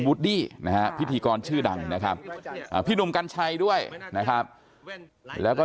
ูดดี้นะฮะพิธีกรชื่อดังนะครับพี่หนุ่มกัญชัยด้วยนะครับแล้วก็